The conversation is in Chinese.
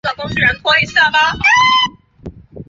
特奥兰迪亚是巴西巴伊亚州的一个市镇。